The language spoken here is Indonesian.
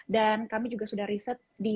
dan kami juga sudah riset di